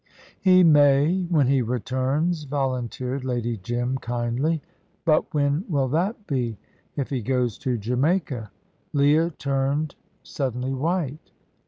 "He may, when he returns," volunteered Lady Jim, kindly. "But when will that be? If he goes to Jamaica " Leah turned suddenly white.